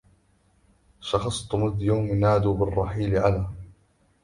شخصت مذ يوم نادوا بالرحيل على